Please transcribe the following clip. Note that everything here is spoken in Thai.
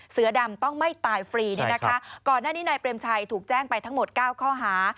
เสือดำต้องไม่ตายฟรีเนี่ยนะคะก่อนหน้านี้นายเปรมชัยถูกแจ้งไปทั้งหมดเก้าข้อหา